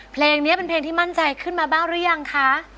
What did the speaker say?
เพลงนี้เป็นเพลงที่มั่นใจขึ้นมาบ้างหรือยังคะ